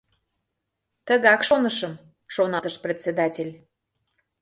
«Тыгак шонышым», — шоналтыш председатель.